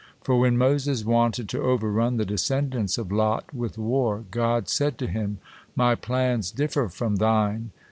For when Moses wanted to overrun the descendants of Lot with war, God said to him: "My plans differ from thine.